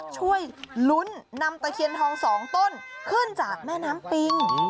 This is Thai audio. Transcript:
ช่วยลุ้นนำตะเคียนทอง๒ต้นขึ้นจากแม่น้ำปิง